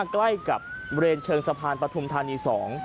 ใกล้กับเรนเชิงสะพานปทุมธานี๒